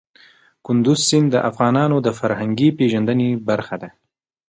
کندز سیند د افغانانو د فرهنګي پیژندنې برخه ده.